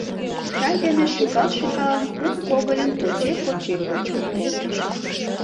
— Чай дене шӱкал-шӱкалын, кум когыльым поче-поче кочкын колтыш.